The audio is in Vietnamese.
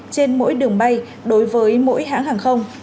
trên mỗi đường bay đối với mỗi hãng hàng không